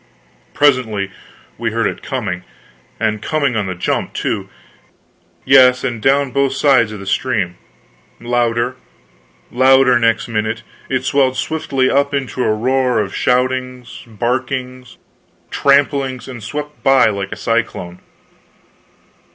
Presently we heard it coming and coming on the jump, too; yes, and down both sides of the stream. Louder louder next minute it swelled swiftly up into a roar of shoutings, barkings, tramplings, and swept by like a cyclone.